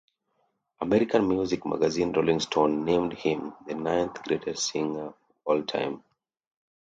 American music magazine "Rolling Stone" named him the ninth greatest singer of all time.